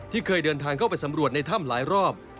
เคยเดินทางเข้าไปสำรวจในถ้ำหลายรอบ